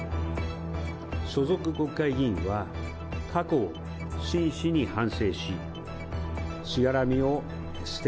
所属国会議員は過去を真摯に反省し、しがらみを捨て、